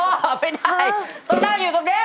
ไม่ได้ต้องนั่งอยู่ตรงนี้